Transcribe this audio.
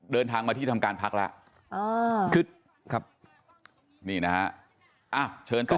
เดินทางมาที่ทำการพักแล้ว